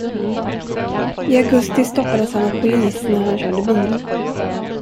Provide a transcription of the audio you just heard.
I augusti stoppades han av polis när han körde bil.